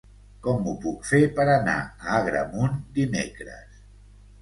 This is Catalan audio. Com ho puc fer per anar a Agramunt dimecres?